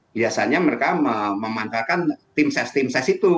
biasanya mereka memanfaatkan tim ses tim ses itu